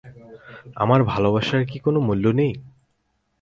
আমার ভালোবাসার কি কোনো মূল্য নেই।